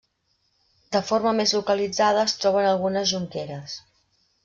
De forma més localitzada es troben algunes jonqueres.